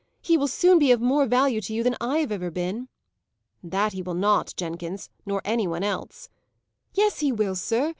"He will soon be of more value to you than I have ever been!" "That he will not, Jenkins. Nor any one else." "Yes, he will, sir!